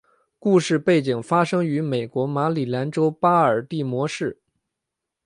故事背景发生于美国马里兰州巴尔的摩市。